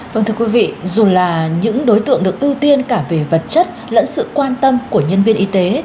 vâng thưa quý vị dù là những đối tượng được ưu tiên cả về vật chất lẫn sự quan tâm của nhân viên y tế